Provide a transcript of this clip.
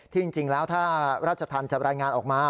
จริงแล้วถ้าราชธรรมจะรายงานออกมา